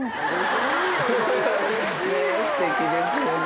すてきですよね